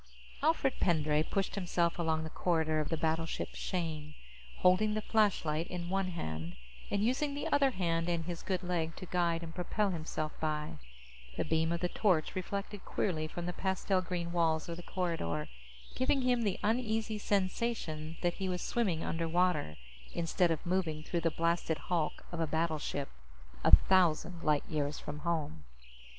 _ Alfred Pendray pushed himself along the corridor of the battleship Shane, holding the flashlight in one hand and using the other hand and his good leg to guide and propel himself by. The beam of the torch reflected queerly from the pastel green walls of the corridor, giving him the uneasy sensation that he was swimming underwater instead of moving through the blasted hulk of a battleship, a thousand light years from home.